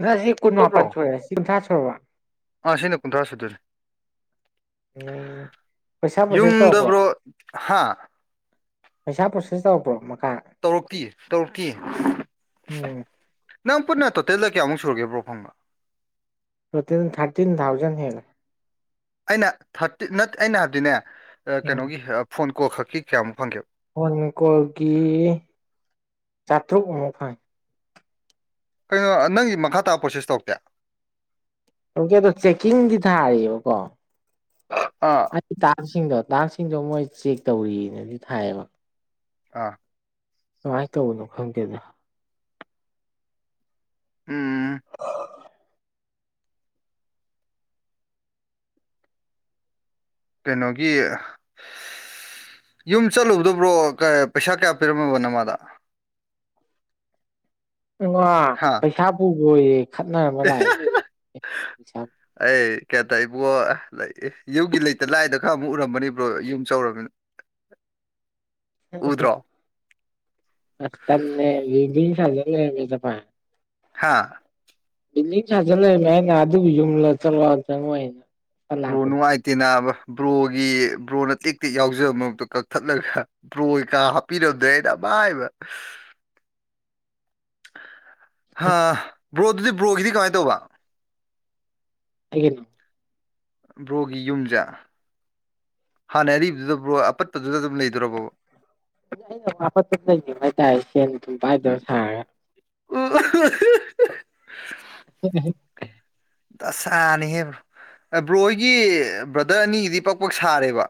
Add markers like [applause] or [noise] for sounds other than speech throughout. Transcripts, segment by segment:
ꯉꯁꯤ ꯄꯨꯂꯞ ꯀꯨꯅꯨꯡ ꯂꯣ ꯁꯣꯦ ꯁꯤ ꯊꯥ ꯁꯣ ꯋꯥ ꯑꯥ ꯁꯤꯅ ꯀꯨꯟꯊ꯭ꯔꯥ ꯁꯨꯗꯣꯏꯅꯦ ꯑ ꯄꯩꯁꯥ ꯄꯣꯁꯦꯁ ꯇꯧ ꯌꯨꯝꯗ ꯀꯣ ꯕ꯭ꯔꯣ ꯍꯥ ꯄꯩꯁꯥ ꯄ꯭ꯔꯣꯁꯦꯁ ꯇꯧꯕ꯭ꯔꯣ ꯇꯧꯔꯛꯀ ꯇꯧꯔꯛꯀꯤ ꯎꯝ ꯅꯪ ꯄꯨꯟꯅ ꯇꯣꯇꯦꯜꯗ ꯀꯌꯥꯃꯨꯛ ꯁꯨꯔꯒꯦ ꯕ꯭ꯔꯣ ꯐꯪꯒ ꯊꯥꯔꯇꯤꯟ ꯊꯥꯎꯖꯦꯟ ꯍꯂ ꯑꯩꯅ ꯊꯥꯔꯇꯤ ꯅꯠꯇ ꯑꯩꯅ ꯍꯥꯏꯕꯗꯤꯅꯦ ꯎꯝ ꯀꯩꯅꯣꯒꯤ ꯐꯣꯟ ꯀꯣꯜ ꯈꯛꯀꯤ ꯀꯌꯥꯃꯨꯛ ꯐꯪꯒꯦꯕ ꯐꯣꯟ ꯀꯣꯜꯒꯤ ꯆꯥꯇ꯭ꯔꯨꯛ ꯃꯨꯛ ꯐꯪꯢ ꯀꯩꯅꯣ ꯅꯪꯒꯤ ꯃꯈꯥ ꯇꯥ ꯄ꯭ꯔꯣꯁꯦꯁ ꯇꯧꯔꯛꯇꯦ ꯑꯣꯀꯦꯗꯣ ꯆꯦꯛꯀꯤꯡꯗꯤ ꯊꯥꯔꯤꯕꯀꯣ ꯑꯥ ꯑꯩ ꯇꯥꯁꯤꯡꯗꯣ ꯗꯥꯛꯁꯤꯡꯗꯣ ꯃꯣꯏ ꯆꯦꯛ ꯇꯧꯔꯤꯅꯗꯤ ꯊꯥꯏꯌꯦꯕ ꯑꯥ ꯀꯃꯥꯏꯅ ꯇꯧꯕꯅꯣ ꯈꯪꯒꯦꯗ ꯎꯝ ꯀꯩꯅꯣꯒꯤ ꯌꯨꯝ ꯆꯠꯂꯨꯕꯗꯕ꯭ꯔꯣ ꯄꯩꯁꯥ ꯀꯌꯥ ꯄꯤꯔꯝꯃꯕ ꯅꯃꯗ ꯑ ꯍꯥ ꯄꯩꯁꯥ ꯄꯨꯕꯔꯦ ꯈꯠꯅꯔ ꯑꯃ ꯂꯥꯛꯏꯅꯦꯩ ꯀꯌꯥ ꯇ ꯏꯕꯣ ꯑꯦ ꯌꯨꯝꯒꯤ ꯂꯩꯇ ꯂꯥꯏꯗ ꯈꯔ ꯑꯃꯨꯛ ꯎꯔꯃꯅꯤꯕ꯭ꯔꯣ ꯌꯨꯝ ꯆꯥꯎꯧꯔꯕꯃꯤꯅ [inaudible] ꯁ ꯇ ꯂꯤꯕꯤ ꯂꯩ ꯂꯩ ꯆ ꯄꯥꯏ ꯍꯥꯥ ꯕꯤꯗꯤ ꯁꯥꯖꯜ ꯂꯩꯏꯃꯦ ꯑꯩꯅ ꯑꯗꯨꯕꯨ ꯌꯨꯝꯂ ꯆꯠꯂ ꯆꯪ ꯑꯩꯅ ꯍꯅꯅꯨꯡ ꯑꯥꯏꯇ ꯅꯅꯥꯕ ꯕ꯭ꯔꯣꯒꯤ ꯕ꯭ꯔꯣꯅ ꯇꯦꯛ ꯇꯦꯛ ꯌꯥꯎꯖꯕ ꯃꯛꯇꯣ ꯀꯛꯊꯠꯂꯒ ꯕ꯭ꯔꯣ ꯀꯥ ꯍꯥꯞꯄꯤꯔꯝꯗ꯭ꯔꯦꯩꯅ ꯇꯥꯏꯕ [unintelligible] [inaudible] ꯑ ꯕ꯭ꯔꯣꯗꯨꯗꯤ ꯕ꯭ꯔꯣꯒꯤꯗꯤ ꯀꯃꯥꯏꯅ ꯇꯧꯕ ꯑꯩꯒꯤꯅ ꯕ꯭ꯔꯣꯒꯤ ꯌꯨꯝꯖ ꯍꯥꯟꯅꯩ ꯑꯔꯤꯕꯗꯨꯗ ꯑꯄꯠꯄꯗꯨꯗ ꯑꯗꯨꯝ ꯂꯩꯗ꯭ꯔꯣꯔꯕꯣ ꯋꯥꯄꯉꯥꯏ ꯇ ꯁꯤ ꯄꯥꯏꯗꯕ ꯁꯥꯔ [inaudible] ꯑꯣ [inaudible] [unintelligible] [unintelligible] ꯑꯁ ꯗꯁꯥꯅꯤꯍꯦꯕ꯭ꯔꯣ ꯕ꯭ꯔꯣ ꯍꯣꯏꯒꯤ ꯕ꯭ꯔꯗꯔ ꯑꯅꯤꯒꯤꯗꯤ ꯄꯛ ꯄꯛ ꯁꯥꯔꯦꯕ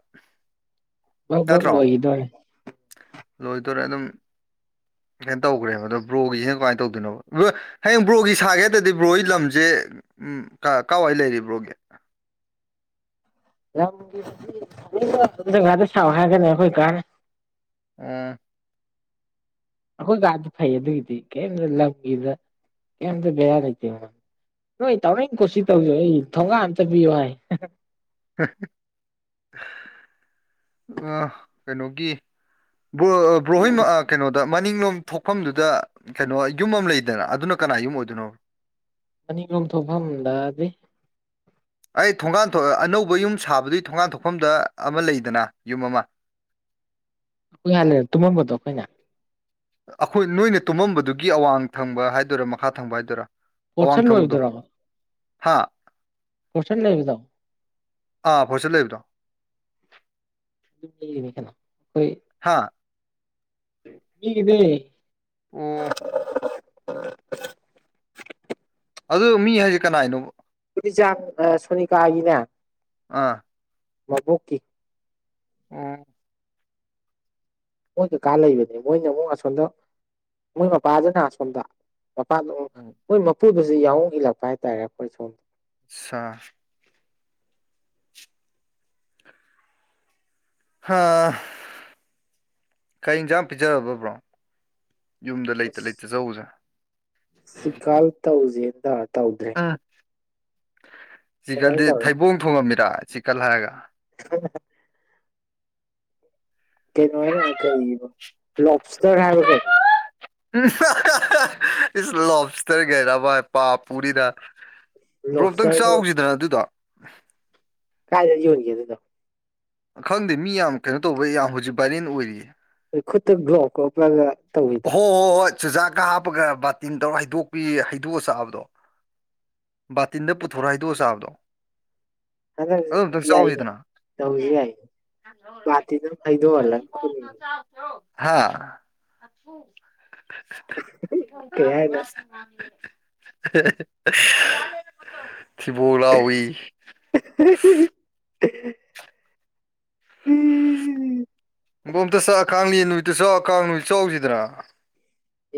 ꯑꯧ ꯍꯧ ꯅꯠꯇ꯭ꯔꯣ ꯋꯥ ꯏꯗꯦ [unintelligible] ꯂꯣꯏꯗꯣꯔꯦ ꯑꯗꯨꯝ ꯀꯅ ꯇꯧꯈ꯭ꯔꯦꯕ ꯑꯗꯣ ꯕ꯭ꯔꯣꯒꯤꯁꯤꯅ ꯀꯃꯥꯏꯅ ꯇꯧꯗꯣꯏꯅꯣ ꯍꯌꯦꯡ ꯕ꯭ꯔꯣꯒꯤ ꯁꯥꯒꯦꯔꯗꯤ ꯕ꯭ꯔꯣꯒꯤ ꯂꯝꯁꯦ ꯎꯝ ꯀꯋꯥꯏ ꯂꯩꯔꯤꯕ꯭ꯔꯣꯒꯦ ꯌꯥꯝ ꯖꯒꯥꯗ ꯁꯥꯎ ꯍꯥꯏꯔꯒꯅꯦ ꯑꯩꯈꯣꯏ ꯀꯥꯟ [inaudible] [unintelligible] ꯑꯝ [unintelligible] [inaudible] ꯑꯩꯈꯣꯏ ꯀꯥꯗ ꯐꯩ ꯑꯗꯨꯒꯤꯗꯤ ꯀꯔꯤꯝꯇ ꯂꯝꯒꯤꯗ ꯀꯩꯝꯇ ꯕꯦꯔꯥ ꯂꯩꯇꯦ ꯅꯣꯏ ꯇꯧ ꯀꯁꯤꯁ ꯇꯧꯖꯣ ꯑꯩ ꯊꯣꯡꯒꯥ ꯑꯟꯇ ꯄꯤꯌꯣ ꯍꯥꯏ ꯑ ꯀꯩꯅꯣꯒꯤ ꯕ꯭ꯔꯣꯍꯣꯏ ꯀꯩꯅꯣꯗ ꯃꯅꯤꯡꯂꯣꯝ ꯊꯣꯛꯐꯝꯗꯨꯗ ꯀꯩꯅꯣ ꯌꯨꯝ ꯑꯃ ꯂꯩꯗꯅ ꯑꯗꯨꯅ ꯀꯅꯥꯏꯨꯝ ꯑꯣꯗꯨꯅꯣ ꯃꯅꯤꯡꯂꯣꯝ ꯊꯣꯡꯐꯝꯗ ꯑꯗꯨ ꯑꯩ ꯊꯣꯡꯒꯥꯟ ꯑꯅꯧꯕ ꯌꯨꯝ ꯁꯥꯕꯗꯨ ꯊꯣꯡꯒꯥꯟ ꯊꯣꯛꯐꯝꯗ ꯑꯃ ꯂꯩꯗꯅ ꯌꯨꯝ ꯑꯃ [unintelligible] [inaudible] ꯑꯩꯈꯍꯜꯂꯦ ꯇꯨꯝꯃꯝꯕꯗꯣ ꯑꯩꯈꯣꯏꯅ [inaudible] ꯑꯩꯈꯣꯏ ꯅꯣꯏꯅ ꯇꯨꯝꯃꯝꯕꯗꯨꯒꯤ ꯑꯋꯥꯡ ꯊꯪꯕ ꯍꯥꯏꯗꯣꯏꯔꯥ ꯃꯈꯥ ꯊꯪꯕ ꯍꯥꯏꯗꯣꯏꯔꯥ ꯑꯋꯥꯡ ꯄꯁꯟ ꯊꯪꯕꯗꯣ ꯂꯣꯏꯕꯗ꯭ꯔ ꯍꯥ ꯄꯁꯟ ꯂꯣꯏꯕꯗ ꯑꯥ ꯐꯣꯔꯆꯠ ꯂꯩꯕꯗꯣ ꯂꯩꯅꯤ ꯀꯩꯅꯣ ꯑꯩꯈꯣꯏ ꯍꯥꯥ [unintelligible] [inaudible] ꯃꯤꯒꯤꯅꯦ ꯑꯣ ꯑ [unintelligible] [inaudible] ꯑꯗꯨ ꯃꯤ ꯍꯥꯏꯁꯦ ꯀꯅꯥ ꯍꯥꯏꯅꯣ ꯑꯗꯨ ꯆꯥꯛ ꯑ ꯁꯣꯅꯤꯀꯥꯒꯤꯅ ꯑ [unintelligible] [inaudible] ꯃꯕꯨꯛꯀꯤ ꯎꯝ ꯃꯣꯏ ꯀꯀꯥ ꯂꯩꯕꯅꯦ ꯃꯣꯏꯅ ꯑꯃꯨꯛ ꯑꯁꯣꯝꯗ ꯃꯣꯏ ꯃꯄꯥꯁꯤꯅ ꯑꯁꯣꯝꯗ ꯃꯄꯥꯗ ꯑꯣ ꯃꯣꯏ ꯃꯄꯨꯗꯨꯁꯨ ꯌꯥꯎ ꯏꯜꯂꯛꯄ ꯍꯥꯏꯇꯥꯔꯦ ꯑꯩꯈꯣꯏ ꯁꯣꯝꯗ ꯁꯥ [inaudible] ꯑ ꯀꯩꯖꯥ ꯄꯤꯖꯥꯕꯄꯔꯣ ꯌꯨꯝꯗ ꯂꯩꯇ ꯂꯩꯇ ꯆꯎꯁꯦ ꯁꯤꯀꯥꯜ ꯇꯧꯖꯦꯟꯗ ꯇꯧꯗ꯭ꯔꯦ ꯀꯩꯅꯣ ꯆꯤꯛꯀꯜꯗꯤ ꯑꯣꯏꯅ ꯇꯧꯔꯦ ꯊꯩꯕꯣꯡ ꯊꯣꯡꯉꯝꯃꯤꯔ ꯆꯤꯛꯀꯜ ꯍꯥꯏꯔꯒ [unintelligible] [inaudible] ꯀꯩꯅꯣ ꯍꯥꯏꯅ ꯀ ꯂꯣꯞ ꯏꯁꯇꯔ ꯍꯥꯏꯕ ꯀꯩꯅꯣ ꯏꯁ ꯂꯣꯇꯔꯒꯦꯔ ꯄꯥ ꯄꯨꯔꯤꯗ ꯕ꯭ꯔꯣ ꯑꯝꯇꯪ ꯂꯣꯞꯁꯇꯔꯗꯨ ꯆꯥꯎꯈꯤꯗꯅ ꯑꯗꯨꯗ ꯀꯥꯏꯗ ꯌꯎꯟ ꯆꯦꯗꯗ ꯈꯪꯗꯦ ꯃꯤ ꯌꯥꯝ ꯀꯩꯅꯣ ꯇꯧꯕ ꯌꯥꯝ ꯍꯧꯖꯤꯛ ꯚꯥꯏꯔꯦꯟ ꯑꯣꯏꯔꯤꯌꯦ ꯑꯩꯈꯣꯏ ꯈꯨꯠꯇ ꯭ꯂꯣꯣꯄꯒ ꯍꯣ ꯍꯣꯏ ꯍꯣꯏ ꯆꯨꯖꯥꯛꯀ ꯍꯥꯞꯄꯒ ꯕꯥꯇꯤꯟ ꯇꯧꯔ ꯍꯩꯗꯣꯛꯄꯤ ꯍꯩꯗꯣꯛꯑ ꯆꯥꯕꯗꯣ ꯕꯥꯇꯤꯟꯗ ꯄꯨꯊꯣꯔꯣ ꯍꯥꯏꯗꯣꯛꯑꯣ ꯆꯥꯕꯗꯣ ꯍꯗ ꯑꯗꯨ ꯑꯝꯇꯪ ꯌꯥꯏ ꯆꯥꯎꯁꯤꯗꯅ ꯇꯧꯖꯤ ꯌꯥꯏ ꯇꯗ ꯐꯥꯏꯗꯣ ꯑꯂ ꯈꯨ ꯍꯥ ꯀꯩ ꯍꯥꯏꯅꯣ [inaudible] ꯑꯊꯤꯕꯣꯂꯑꯣꯏ ꯍ ꯎꯝ ꯎꯝ ꯎꯝꯝ ꯏꯕꯣꯝꯇ ꯁꯥꯛ ꯈꯥꯡꯂꯤ ꯅꯨꯃꯤꯠꯇ ꯆꯥꯎ ꯈꯥꯡ ꯅꯨꯃꯤꯠ ꯆꯥꯎꯁꯤꯗꯅ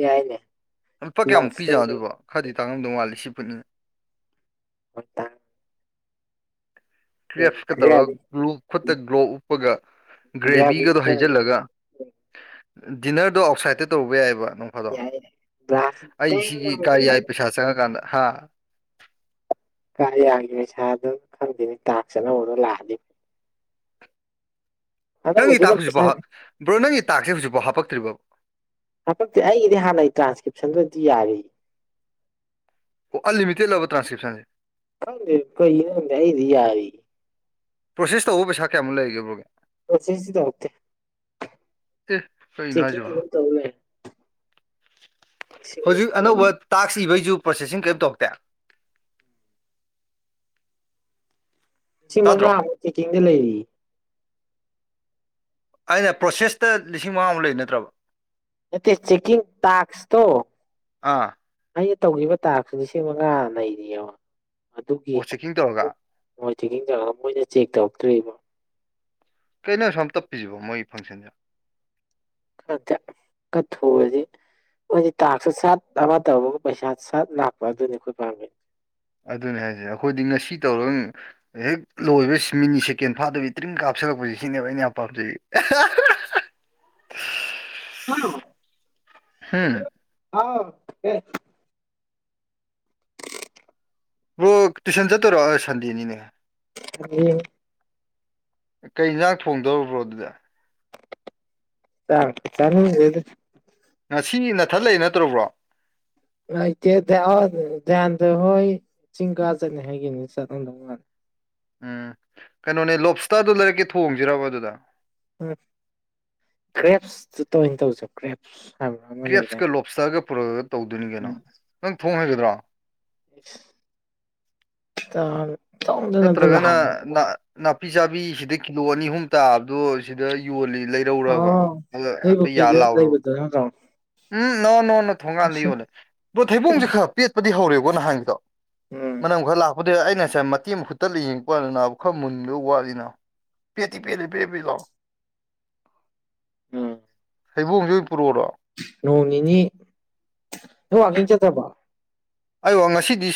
ꯏꯏꯅꯦ ꯂꯨꯄꯥ ꯀꯌꯥꯃꯨꯛ ꯄꯤꯖꯅ ꯑꯗꯨꯕ ꯈꯔꯗꯤ ꯇꯥꯡꯉꯝꯗꯧ ꯃꯥꯂꯤ ꯁꯤ ꯐꯨꯟꯅꯤꯅꯤ ꯍꯣꯏꯠꯇ ꯀ꯭ꯔꯦꯞꯁꯀ ꯇꯧꯔꯒ ꯀ꯭ꯔꯦꯕ ꯒ꯭ꯂꯨ ꯈꯨꯠꯇ ꯒ꯭ꯂꯣ ꯎꯞꯄꯒ ꯒ꯭ꯔꯦꯚꯤꯒꯗꯣ ꯒ꯭ꯔꯥꯕꯤꯁ ꯍꯩꯖꯤꯜꯂꯒ ꯗꯤꯅꯔꯗꯣ ꯑꯥꯎꯠꯁꯥꯏꯠꯇ ꯇꯧꯕ ꯌꯥꯏꯑꯕ ꯅꯝ ꯐꯥꯗꯣ ꯌꯥꯏ ꯒ꯭ꯂꯥꯁ ꯑꯩ ꯇꯦꯡ ꯁꯤꯒꯤ ꯀꯔꯤ ꯌꯥꯏ ꯄꯩꯁꯥ ꯆꯪꯉꯀꯥꯟꯗ ꯍꯥ ꯀ ꯌꯥꯒꯤ ꯄꯩꯁꯥꯗ ꯈꯪꯗꯦꯅꯤ ꯇꯥꯛ ꯆꯅꯧꯕꯅ ꯂꯥꯛꯑꯅꯤ ꯅꯪꯒꯤ ꯇꯥꯛ ꯄꯩꯁꯥ ꯍꯧꯖꯤꯛꯐꯥꯎ ꯕ꯭ꯔꯣ ꯅꯪꯒꯤ ꯇꯥꯛꯁꯦ ꯍꯧꯖꯤꯛꯐꯥꯎ ꯍꯥꯞꯄꯛꯇ꯭ꯔꯤꯕ ꯍꯥꯄꯛꯇꯤ ꯑꯩꯒꯤꯗꯤ ꯍꯥꯟꯅꯒꯤ ꯇ꯭ꯔꯥꯟꯁꯀ꯭ꯔꯤꯞꯁꯟꯗꯨꯗꯤ ꯌꯥꯔꯤ ꯑꯣ ꯑꯜꯜꯂꯤ ꯃꯤꯇ ꯂꯕ ꯇ꯭ꯔꯁꯀ꯭ꯔꯤꯞꯁꯟꯁꯦ ꯀꯗ ꯀ ꯅꯏꯗꯤ ꯄ꯭ꯔꯣꯁꯦꯁ ꯇꯧꯕ ꯄꯩꯁꯥꯌꯥꯃꯨꯛ ꯂꯩꯒꯦꯕ꯭ꯔꯣꯒꯦ ꯁꯤꯁꯤꯗꯔꯛꯇꯦ ꯑꯦ ꯀꯩꯅꯣ ꯊꯦ ꯍꯥꯏꯁꯤꯕꯣ ꯇꯧꯂ ꯍꯧꯖꯤꯛ ꯑꯅꯧꯕ ꯃꯉꯥꯃꯨꯛ ꯇꯥꯛ ꯏꯕꯩꯁꯨ ꯄ꯭ꯔꯣꯁꯦ ꯀꯔꯤꯝ ꯇꯧꯔꯇꯦ ꯄ ꯃꯂ ꯀꯗ ꯂꯩꯔꯤ ꯑꯩꯅ ꯄ꯭ꯔꯣꯁꯦꯁꯇ ꯂꯤꯁꯤꯡ ꯃꯉꯥꯃꯨ ꯂꯩ ꯅꯠꯇ꯭ꯔꯕ ꯆꯦꯛꯀꯤ ꯇꯁꯇꯣ ꯑꯥ ꯇꯧꯈꯤꯕ ꯇꯥꯛꯁꯨ ꯂꯤꯁꯤꯡ ꯃꯉꯥ ꯂꯩꯔꯤꯑꯕ ꯑꯣ ꯆꯦꯛꯀꯤꯡ ꯇꯧꯔꯒ ꯆꯦꯛꯀꯤꯡꯖꯥꯡ ꯑꯃ ꯑꯣꯏꯅ ꯆꯦꯛ ꯇꯧꯔꯛꯇ꯭ꯣꯕ ꯀꯩꯅꯣ ꯁꯨꯝ ꯇꯞꯄꯤꯁꯤꯕꯣ ꯃꯣꯏꯒꯤ ꯐꯪꯁꯟꯁꯦ ꯀꯖ ꯀꯠꯊꯣꯛꯕꯗꯤ ꯑꯩꯗꯤ ꯇꯥꯛꯁꯨ ꯁꯥꯠ ꯑꯃ ꯇꯧꯕꯒ ꯄꯩꯁꯥ ꯁꯥꯠ ꯂꯥꯛꯄ ꯑꯗꯨꯅꯤ ꯑꯩꯈꯣꯏ ꯄꯥꯝꯃꯤꯩ ꯑꯗꯨꯅꯦ ꯍꯥꯏꯁꯦ ꯑꯩꯈꯣꯏꯗꯤ ꯉꯁꯤ ꯇꯧꯔꯒ ꯍꯦꯛ ꯂꯣꯏꯕ ꯃꯤꯅꯤꯠ ꯁꯦꯀꯦꯟ ꯐꯥꯗꯕꯤ ꯇ꯭ꯔꯤꯡ ꯀꯥꯞꯁꯤ ꯁꯜꯂꯛꯄꯁꯤꯦ ꯁꯤꯅꯦꯕ ꯑꯩꯅ ꯌꯥꯝ ꯄꯥꯝꯖꯩ ꯍꯂꯣ ꯍꯥꯝ ꯑꯥꯎ ꯌꯦ ꯔꯣ ꯇ꯭ꯨꯁꯟ ꯆꯠꯇꯧꯔꯣ ꯁꯟꯗꯦꯅꯤꯅꯦ ꯎ ꯀꯩ ꯌꯦꯟꯖꯥꯛ ꯊꯣꯡꯗꯔꯕ꯭ꯔꯣ ꯑꯗꯨꯗ ꯆ ꯆ ꯑꯗꯨ ꯉꯁꯤ ꯅꯊꯠꯂꯛꯏꯦ ꯅꯠꯇ꯭ꯔꯔꯕ꯭ꯔꯣ ꯂꯩꯇꯦ ꯙ꯭ꯌꯥꯟꯗ ꯍꯣꯏ ꯆꯤꯡ ꯀꯥ ꯆꯠꯅꯤ ꯍꯥꯏꯒꯦꯅꯤ ꯆꯠꯅꯝꯗꯧ ꯃꯥꯜꯂꯦ ꯎꯝ ꯀꯩꯅꯣꯅꯦ ꯂꯣꯞꯁꯇꯗ ꯂꯩꯔꯛꯀꯦ ꯊꯣꯡꯁꯤꯔꯕ ꯑꯗꯨꯗ ꯎ ꯀ꯭ꯔꯦꯞꯁ ꯇ ꯇꯧ ꯆ ꯀ꯭ꯔꯦꯞꯁ ꯍꯥꯏꯕ꯭ꯔꯥ ꯑꯃ ꯀꯦꯞꯁꯀ ꯂꯩꯗꯥꯏꯅꯦ ꯂꯣꯞꯁꯇꯒ ꯄꯨꯔꯛꯒ ꯇꯧꯗꯣꯏꯅꯤ ꯀꯅ ꯅꯪ ꯊꯣꯡ ꯍꯥꯏꯒꯗ꯭ꯔꯥ ꯇ ꯅꯠꯇ꯭ꯔꯒꯅ ꯅꯥꯄꯤ ꯆꯥꯕꯤ ꯁꯤꯗ ꯀꯤꯂꯣ ꯑꯅꯤ ꯑꯍꯨꯝ ꯇꯥꯕꯗꯣ ꯁꯤꯗ ꯌꯣꯜꯂꯤ ꯂꯩꯔꯧꯔꯕ ꯑꯣ ꯑ ꯅꯣꯏ ꯍꯥꯏꯐꯦꯠ ꯌꯥ ꯄꯨꯈ꯭ꯔꯤꯗ ꯂꯥꯛꯥꯎꯔꯕ ꯂꯩꯕꯗꯣ ꯅꯠꯇ꯭ꯔꯣ ꯎꯝ ꯅꫭ ꯅꫭ ꯅꫭ ꯊꯣꯡꯒꯥꯟꯗ ꯌꯣꯜꯂꯦ ꯊꯩꯕꯣꯡꯁꯦ ꯈꯔ ꯄꯦꯄ ꯍꯧꯔꯦꯕꯣ ꯅꯍꯥꯟꯒꯤꯗꯣ ꯎꯝ ꯃꯅꯝ ꯈꯔ ꯂꯥꯛꯄꯗꯨ ꯑꯩꯅ ꯉꯁꯥꯏ ꯑꯇꯦꯝ ꯃꯈꯨꯠꯇ ꯂꯩ ꯌꯦꯡꯉꯛꯄꯗꯅꯥ ꯈꯔ ꯃꯨꯟꯕ ꯋꯥꯠꯂꯤꯅ ꯄꯦꯠꯇꯤ ꯄꯦꯂꯤ ꯄꯦꯦ ꯄꯦꯠ ꯂꯑꯣ [unintelligible] [inaudible] ꯎꯝ ꯍꯩꯕꯣꯡ ꯅꯣꯡ ꯅꯤꯅꯤ ꯅ ꯋꯥꯒꯤꯡ ꯆꯠꯠꯇꯕ ꯑꯩ ꯋꯥ ꯉꯁꯤꯗꯤ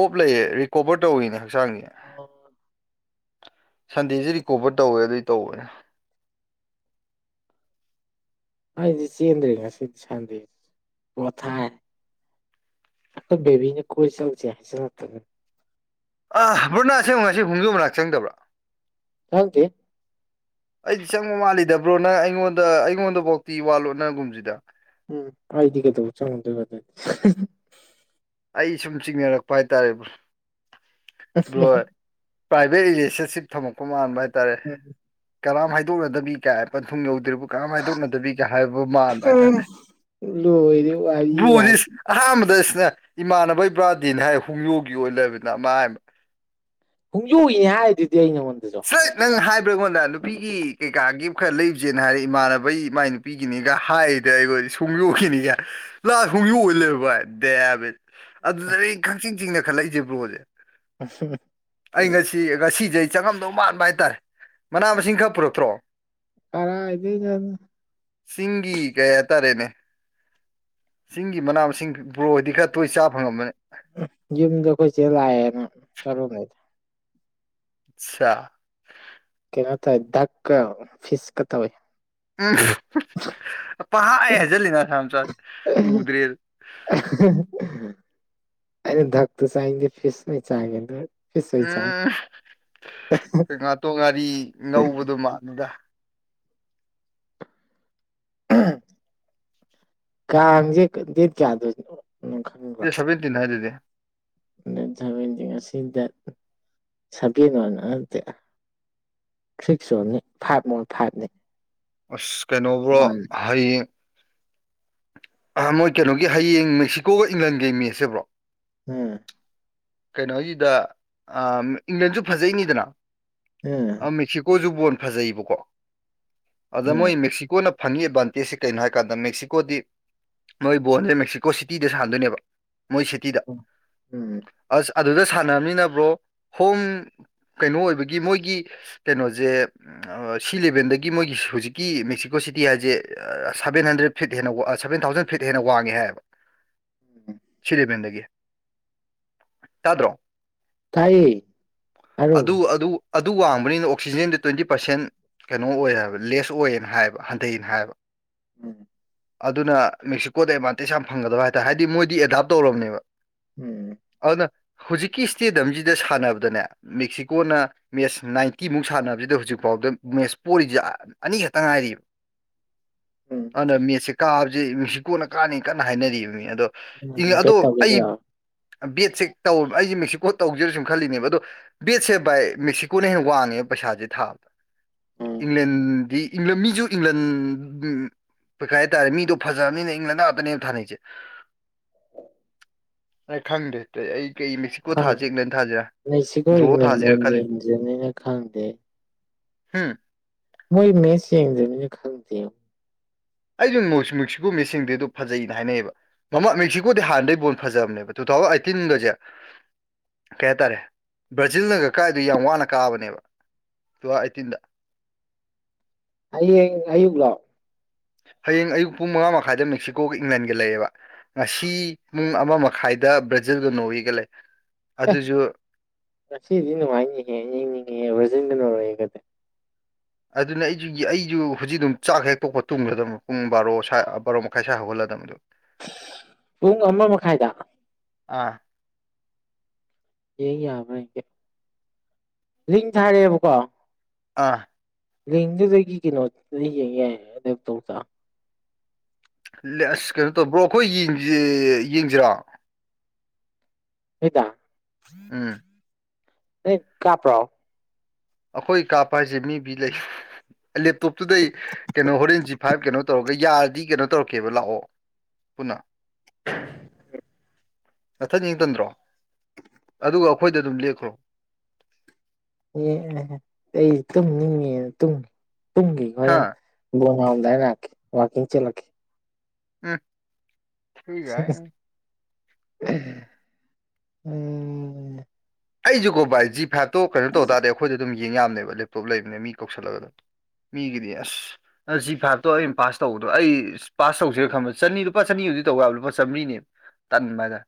ꯑꯣꯞ ꯂꯩꯌꯦ ꯔꯤꯀꯣꯚꯔ ꯇꯧꯋꯤꯅꯦ ꯍꯛꯆꯥꯡꯒꯤ ꯁꯟꯗꯦꯁꯤ ꯔꯤꯀꯣꯚꯔ ꯇꯧꯋꯦ ꯑꯗꯨꯏ ꯇꯧꯕꯅꯦ ꯑꯩꯗꯤ ꯆꯦꯟꯗꯔꯦ ꯉꯁꯤ ꯁꯟꯗꯦ ꯄꫭꯊꯥꯏ ꯑꯈꫭꯏ ꯕꯦꯕꯤꯅ ꯀꯣꯏ ꯆꯧꯖꯦꯆ ꯍꯥꯏꯖꯜ ꯂꯛꯇꯅ ꯑ ꯕ꯭ꯔꯅꯥꯁ ꯑꯃ ꯉꯁꯤ ꯍꯨꯝꯖꯨ ꯃꯅꯥꯛ ꯆꯪꯗꯕ꯭ꯔꯥ ꯈꯪꯗꯦ ꯑꯩꯗꯤ ꯆꯪꯉꯣ ꯃꯥꯜꯂꯤꯗ ꯕ꯭ꯔꯣ ꯅꯪ ꯑꯩꯉꯣꯟꯗ ꯑꯩꯉꯣꯟꯗꯐꯧꯇꯤ ꯋꯥꯠꯂꯣꯅꯒꯨꯝꯁꯤꯗ [inaudible] ꯑꯩ ꯁꯨꯝ ꯆꯤꯡꯅꯔꯛꯄ ꯍꯥꯏꯇꯥꯔꯦꯕꯥ [unintelligible] ꯄ꯭ꯔꯥꯏꯚꯦꯠ ꯔꯤꯂꯦꯁꯟꯁꯤꯞ ꯊꯝꯃꯛꯄ ꯃꯥꯟꯕ ꯍꯥꯏꯇꯥꯔꯦ ꯀꯔꯝ ꯍꯥꯏ ꯈꯥꯏꯗꯣꯛꯅꯗꯕꯤ ꯀꯦ ꯄꯟꯊꯨꯡ ꯌꯧꯗ꯭ꯔꯤꯕ ꯀꯔꯝ ꯍꯥꯏꯗꯣꯛꯅꯗꯕꯤꯒꯦ ꯍꯥꯏꯕ ꯃꯥꯟꯕ ꯑꯗꯨꯗꯤ ꯍꯥꯏꯇꯥꯔꯦ ꯂꯣꯏꯔꯦ ꯋꯥꯔꯤ ꯒꯥꯏꯅ ꯕ꯭ꯔꯣꯖꯤꯁ ꯑꯍꯃꯗꯁ ꯁꯤꯅ ꯏꯃꯥꯟꯅꯕ ꯏꯕ꯭ꯔꯥꯗꯤꯟ ꯍꯥꯏ ꯍꯣꯡꯌꯨꯒꯤ ꯑꯣꯏꯅ ꯂꯩꯕꯅꯤꯅ ꯃꯥ ꯍꯣꯡꯗꯣꯛꯏꯅꯦ ꯍꯥꯏ ꯑꯗꯨꯗꯤ ꯑꯩ ꯅꯉꯣꯟꯗꯁꯨ ꯁꯠ ꯅꯪ ꯍꯥꯏꯕ꯭ꯔꯥ ꯑꯩꯉꯣꯟꯗ ꯅꯨꯄꯤꯒꯤ ꯀꯩꯀꯥꯒꯤ ꯈꯔ ꯂꯩꯕꯁꯦꯅ ꯍꯥꯏꯔꯦ ꯏꯃꯥꯟꯅꯕꯩ ꯃꯥꯏ ꯅꯨꯄꯤꯒꯤꯅꯤꯒ ꯍꯥꯏꯗ ꯑꯩꯈꯣꯏ ꯁꯣꯡ ꯌꯣꯛꯈꯤꯅꯤꯌꯦ ꯂꯥꯛ ꯁꯣꯡ ꯌꯣꯛꯑꯣ ꯂꯩꯕ ꯗꯦ ꯑꯗꯨꯗ ꯑꯩꯌꯦꯡ ꯀꯛꯆꯤꯡ ꯆꯤꯡꯅ ꯈꯜꯂꯛꯏꯁꯦ ꯕ꯭ꯔꯣꯁꯦ ꯑꯩ ꯉꯁꯤ ꯉꯁꯤꯖꯩ ꯆꯪꯉꯝꯗꯧ ꯃꯥꯟꯕ ꯍꯥꯏꯇꯥꯔꯦ ꯃꯅꯥ ꯃꯁꯤꯡ ꯈꯔ ꯄꯨꯔꯛꯇ꯭ꯔꯣ ꯀꯔꯥ ꯍꯥꯏꯗ ꯌꯥ ꯁꯤꯁꯤꯡꯒꯤ ꯀꯩ ꯑꯇꯥꯔꯦꯅꯦ ꯁꯤꯡꯒꯤ ꯃꯅꯥ ꯃꯁꯤꯡ ꯕ꯭ꯔꯣꯗꯤ ꯈꯔ ꯇꯣꯏ ꯆꯥ ꯐꯪꯉꯝꯕꯅꯦ ꯖꯤꯝꯗꯈꯣꯏ ꯆꯂꯑꯅ ꯆꯂ ꯑꯆꯥ ꯀꯩꯅ ꯊ ꯗꯙꯥꯛ ꯀ ꯐꯤꯤꯁ ꯀꯇꯥ ꯑꯣꯏ ꯎꯝ ꯄꯥꯏ ꯍꯥꯏꯖꯜꯂꯤꯅꯁꯥꯝ ꯆ ꯎꯗ꯭ꯔꯦ ꯑ ꯊꯛꯛꯇ ꯁꯥꯏꯦ ꯐꯤꯁꯃꯦ ꯆꯥꯒꯦ ꯅ ꯎꯝ ꯉꯥꯇꯣꯛ ꯉꯥꯔꯤ ꯉꯧꯕꯗꯣ ꯃꯥꯜꯂꯒ ꯀꯦ ꯗꯦꯠ ꯀꯗ ꯁꯃ ꯇꯤꯟ ꯍꯤꯗꯤ ꯗꯦꯠ ꯁꯕꯦꯟꯗꯤ ꯉꯁꯤ ꯗꯦꯠ ꯁꯥꯀꯦꯟ ꯑꯣꯏꯅ ꯅꯠꯇꯦ ꯁꯤꯛꯁꯅꯤ ꯐꯥꯏꯚ ꯃ ꯐꯥꯏꯚꯅꯤ ꯑꯁ ꯀꯩꯅꯣꯕꯣ ꯋꯥꯟ ꯍꯌꯦꯡ ꯑ ꯃꯣꯏ ꯀꯩꯅꯣꯒꯤ ꯍꯌꯦꯡ ꯃꯦꯛꯁꯤꯀꯣꯒ ꯏꯪꯂꯦꯟꯒꯩ ꯃꯦꯠꯁꯦꯕ꯭ꯔꯣ ꯎꯝ ꯀꯩꯅꯣꯁꯤꯗ ꯏꯪꯂꯦꯟꯁꯨ ꯐꯖꯩꯅꯤꯗꯅ ꯑ ꯎꯝ ꯃꯦꯛꯁꯤꯀꯣꯁꯨ ꯕꯣꯟ ꯐꯖꯩꯕꯀꯣ ꯑꯗ ꯎꯝ ꯃꯣꯏ ꯃꯦꯛꯁꯤꯀꯣꯅ ꯐꯟꯒꯤ ꯑꯦꯗꯚꯥꯟꯇꯦꯖꯁꯦ ꯀꯔꯤꯩꯅꯣ ꯍꯥꯏꯀꯥꯟꯗ ꯃꯦꯛꯁꯤꯀꯣꯗꯤ ꯃꯣꯏ ꯕꯣꯟꯁꯦ ꯃꯦꯛꯁꯤꯀꯣ ꯁꯤꯇꯤꯗ ꯁꯥꯟꯅꯗꯣꯏꯅꯦꯕ ꯃꯣꯏ ꯁꯤꯇꯤꯗ ꯑꯣ ꯎꯝ ꯑꯁ ꯑꯗꯨꯗ ꯁꯥꯟꯅꯔꯝꯅꯤꯅꯕ꯭ꯔꯣ ꯍꯣꯝ ꯀꯩꯅꯣ ꯑꯣꯏꯕꯒꯤ ꯃꯣꯏꯒꯤ ꯀꯩꯅꯣꯁꯦ ꯁꯤ ꯂꯦꯕꯦꯜꯗꯒꯤ ꯃꯣꯏꯒꯤ ꯍꯧꯨꯖꯤꯛꯀꯤ ꯃꯦꯛꯁꯤꯀꯣ ꯁꯤꯇꯤ ꯍꯥꯏꯁꯦ ꯁꯕꯦꯟ ꯍꯟꯗ꯭ꯔꯦꯗ ꯐꯤꯠ ꯍꯦꯟꯅ ꯁꯕꯦꯟ ꯊꯥꯎꯖꯟ ꯐꯤꯠ ꯍꯦꯟꯅ ꯋꯥꯡꯉꯦ ꯍꯥꯏꯕ ꯎꯝ ꯁꯤꯔꯤꯕꯗꯒꯤ ꯇꯗ꯭ꯔꯣ ꯇꯥꯏꯌꯦ ꯑ ꯑꯗꯨ ꯑꯗꯨ ꯋꯥꯡꯕꯅꯤꯅ ꯑꯣꯛꯁꯤꯖꯦꯟꯗ ꯇ꯭ꯋꯦꯟꯇꯤ ꯄꯥꯔꯁꯦꯟ ꯀꯩꯅꯣ ꯑꯣꯏ ꯍꯥꯏꯕ ꯂꯦꯁ ꯑꯣꯏꯌꯦꯅ ꯍꯥꯏꯕ ꯍꯟꯊꯅ ꯍꯥꯏꯕ ꯎꯝ ꯑꯗꯨꯅ ꯃꯦꯛꯁꯤꯀꯣꯗ ꯑꯦꯗꯚꯥꯟꯇꯦꯖ ꯌꯥꯝ ꯐꯪꯒꯗꯕ ꯍꯥꯏꯇꯥꯥꯔꯦ ꯍꯥꯏꯗꯤ ꯃꯣꯏꯗꯤ ꯑꯦꯗꯥꯞ ꯇꯧꯔꯕꯅꯦꯕ ꯎꯝ ꯑꯗꯨꯅ ꯍꯧꯖꯤꯛꯀꯤ ꯏꯁꯇꯦꯗꯤꯌꯝꯁꯤꯗ ꯁꯥꯟꯅꯕꯗꯅꯦ ꯃꯦꯛꯁꯤꯀꯣꯅ ꯃꯦꯠꯁ ꯅꯥꯏꯟꯇꯤꯃꯨꯛ ꯁꯥꯟ ꯁꯥꯟꯅꯕꯁꯤꯗ ꯍꯧꯖꯤꯛ ꯐꯥꯎꯗ ꯃꯦꯁ ꯄꯣꯔꯤꯁꯦ ꯑꯅꯤꯈꯛꯇ ꯉꯥꯏꯔꯤꯕ ꯎꯝ ꯑꯗꯨꯗ ꯃꯦꯠꯁꯦ ꯀꯥꯕꯁꯦ ꯃꯤꯅꯨꯡꯁꯤ ꯀꯣꯟꯅ ꯀꯥꯅꯤ ꯀꯟꯅ ꯍꯥꯏꯅꯔꯤꯕꯅꯤ ꯑꯗꯣ ꯎꯝ ꯑꯗꯣ ꯕꯦꯠ ꯑꯩ ꯇꯧꯒꯤꯁꯤꯔꯣ ꯕꯦꯠꯁꯦ ꯇꯧ ꯑꯩꯁꯦ ꯃꯦꯛꯁꯤꯀꯣ ꯇꯧꯖꯦꯔ ꯁꯨꯝ ꯈꯜꯂꯤꯅꯦꯕ ꯑꯗꯣ ꯕꯦꯠꯁꯦ ꯚꯏ ꯃꯦꯛꯁꯤꯀꯣꯅ ꯍꯦꯟꯅ ꯋꯥꯡꯉꯦꯕ ꯄꯩꯁꯥꯁꯦ ꯊꯥꯕ ꯎꯝ ꯏꯪꯂꯦꯟꯗꯤꯪꯂ ꯃꯤꯁꯨ ꯏꯪꯂꯦꯟ ꯀꯩꯀꯩ ꯍꯥꯏꯇꯥꯔꯦ ꯃꯤꯗꯣ ꯐꯖꯕꯅꯤꯅ ꯏꯪꯂꯦꯟ ꯉꯥꯛꯇꯅꯦꯕ ꯊꯥꯅꯩꯁꯦ ꯅ ꯈꯪꯗꯦ ꯑꯇꯩ ꯑꯩ ꯀꯩ ꯃꯦꯛꯁꯤꯀꯣ ꯈꯪꯗꯦ ꯊꯥꯁꯤ ꯏꯪꯂꯦꯟ ꯊꯥꯁꯤꯔꯥ ꯃꯦꯛꯁꯤꯀꯣ ꯗ꯭ꯔꯣꯍꯣ ꯏꯪꯂꯦꯟ ꯊꯥꯁꯤꯔꯥ ꯕꯣꯜ ꯈꯜꯂꯤ ꯌꯦꯡꯗ꯭ꯔꯤꯕꯅꯤꯅ ꯈꯪꯗꯦ ꯍꯥꯝ ꯃꯣꯏ ꯃꯁꯤ ꯑꯗ ꯈꯪꯨ ꯑꯩꯁꯨ ꯃꯦꯛꯁꯤꯀꯣ ꯃꯤꯁꯤꯡꯗꯤ ꯑꯗꯨ ꯐꯖꯅ ꯍꯥꯏꯅꯩꯌꯦꯕ ꯃꯃꯥ ꯃꯦꯛꯁꯤꯀꯣꯗꯤ ꯍꯥꯟꯗꯩ ꯕꯣꯜ ꯐꯖꯕꯅꯦꯕ ꯁꯣ ꯇꯤꯟꯗꯣꯖ ꯀꯩ ꯍꯥꯏꯇꯥꯔꯦ ꯕ꯭ꯔꯥꯖꯤꯜꯅ ꯀꯀꯥꯏꯗꯨ ꯌꯥꯝ ꯋꯥꯅ ꯀꯥꯕꯅꯦꯕ ꯇꯨ ꯑꯩꯠꯇꯤꯟꯗ ꯑꯌ ꯑꯌꯨꯒꯣ ꯍꯌꯦꯡ ꯑꯌꯨꯛ ꯄꯨꯡ ꯃꯉꯥ ꯃꯈꯥꯏꯗ ꯃꯦꯛꯁꯤꯀꯣꯒꯤ ꯏꯪꯂꯦꯟꯒ ꯂꯩꯌꯦꯦꯕ ꯉꯁꯤ ꯄꯨꯡ ꯑꯃ ꯃꯈꯥꯏ ꯗ ꯭ꯔꯦꯖꯤꯜꯒ ꯅꯣꯤꯒꯂꯦ ꯉꯁꯤꯗꯤ ꯅꯨꯡꯉꯥꯏꯅꯤꯍꯦ ꯌꯦꯡꯅꯤꯡꯉꯖ ꯒꯗ ꯑꯗꯨꯅ ꯑꯩꯁꯨ ꯑꯩꯁꯨ ꯍꯧꯖꯤꯛ ꯑꯗꯨꯝ ꯆꯥꯛ ꯍꯦꯛ ꯄꯣꯛꯄ ꯇꯨꯝꯒꯗꯕ ꯄꯨꯡ ꯕꯥꯔꯣ ꯕꯥꯔꯣ ꯃꯈꯥꯏ ꯁ꯭ꯋꯥꯏ ꯍꯧꯒꯍꯜꯂꯗꯕꯗꯨꯣ ꯄꯨꯡ ꯑꯃ ꯃꯈꯥꯏꯗ ꯑꯥ ꯍꯡ ꯌꯥꯕ꯭ꯔꯥ ꯡ ꯊꯥꯔꯦꯕꯀꯣ ꯑ ꯂꯤꯡꯗꯗꯗꯒꯤ ꯀꯩꯅꯣ ꯌꯦꯡ ꯇꯧ ꯑꯁ ꯀꯩꯅꯣ ꯇꯔꯕ꯭ꯔꯣ ꯑꯩꯈꯣꯏꯡ ꯌꯦꯡꯁꯤꯔꯥ ꯍꯗ ꯎꯝ ꯀꯥꯄ꯭ꯔꯣ ꯑꯩꯈꯣꯏ ꯀꯥꯞꯄ ꯍꯥꯏꯁꯦ ꯃꯤꯕꯤ ꯂꯩ ꯂꯦꯞꯇꯣꯞꯇꯨꯗꯩ ꯀꯩꯅꯣ ꯍꯣꯔꯦꯟ ꯖꯤ ꯐꯥꯏꯞ ꯀꯩꯅꯣ ꯇꯧꯔꯒ ꯌꯥꯔ ꯗꯤ ꯀꯩꯅꯣ ꯇꯧꯔꯛꯀꯦꯕ ꯂꯥꯛꯑꯣ ꯄꯨꯟꯅ ꯃꯊꯛ ꯅꯤꯡꯇꯝꯗ꯭ꯔꯣ ꯑꯗꯨꯒ ꯑꯩꯈꯣꯏꯗ ꯑꯗꯨꯝ ꯂꯦꯛꯈ꯭ꯔꯣ ꯑꯩ ꯇꯨꯝꯅꯤꯡꯉꯦꯨꯡ ꯇꯨꯡꯒꯤ ꯍꯥ ꯍꯣꯔꯦꯟ ꯦ ꯋꯥꯀꯤꯡ ꯆꯦꯂꯦ ꯎꯝ ꯊꯒ ꯎꯝ ꯑꯩꯖꯨꯀꯣ ꯚꯥꯏ ꯖꯤ ꯐꯥꯏꯚꯇꯣ ꯀꯩꯅꯣ ꯇꯧ ꯇꯥꯔꯗꯤ ꯑꯩꯈꯣꯏꯗ ꯑꯗꯨꯝ ꯌꯦꯡ ꯌꯥꯝꯅꯦꯕ ꯂꯦꯞꯇꯣꯞ ꯂꯩꯕꯅꯤꯅ ꯃꯤ ꯀꯧꯁꯜꯂꯒ ꯑꯗꯨꯝ ꯃꯤꯒꯤꯗꯤ ꯑꯁ ꯖꯤ ꯐꯥꯏꯚꯇꯣ ꯑ ꯄꯥꯁ ꯇꯧꯕꯗꯣ ꯑꯩ ꯄꯥꯁ ꯇꯧꯁꯦ ꯈꯝꯕ ꯆꯅꯤ ꯂꯨꯄꯥ ꯆꯅꯤ ꯇ ꯂꯨꯄꯥ ꯆꯥꯝꯔꯤꯅꯦ ꯇꯟꯕ ꯍꯥꯏꯗ